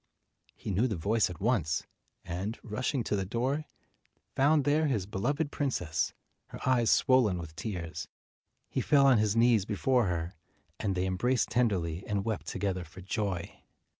He knew the voice at once, and, rushing to the door, found there his beloved princess, her eyes swollen with tears. He fell on his knees before her, and they embraced tenderly and wept together for joy.